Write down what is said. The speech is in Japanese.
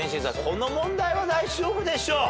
この問題は大丈夫でしょう。